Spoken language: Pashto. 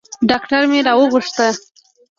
ډاکتر مې راوغوښت.